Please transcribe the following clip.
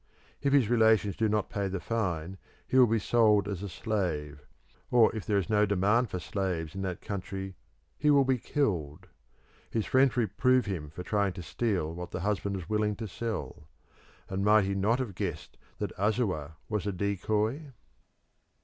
If his relations do not pay the fine he will be sold as a slave; or if there is no demand for slaves in that country he will be killed. His friends reprove him for trying to steal what the husband was willing to sell; and might he not have guessed that Asua was a decoy?